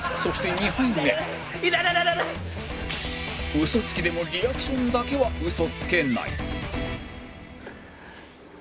ウソつきでもリアクションだけはウソつけない